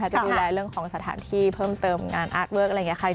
จะดูแลเรื่องของสถานที่เพิ่มเติมงานอาร์ตเวิร์กอะไรอย่างนี้ค่ะ